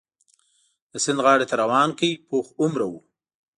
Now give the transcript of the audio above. د سیند غاړې ته روان کړ، پوخ عمره و.